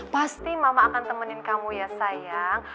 pasti mama akan temenin kamu ya sayang